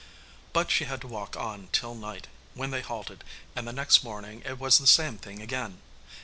But she had to walk on till night, when they halted, and the next morning it was the same thing again.